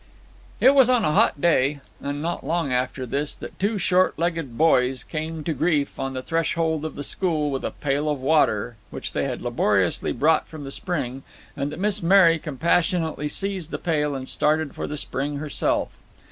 It was on a hot day and not long after this that two short legged boys came to grief on the threshold of the school with a pail of water, which they had laboriously brought from the spring, and that Miss Mary compassionately seized the pail and started for the spring herself.